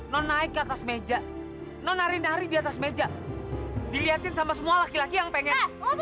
non naik ke atas meja no nari nari di atas meja dilihatin sama semua laki laki yang pengen